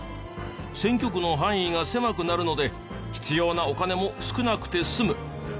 選挙区の範囲が狭くなるので必要なお金も少なくて済む。